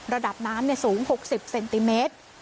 ระดับน้ำสูง๖๐เซนติเมตร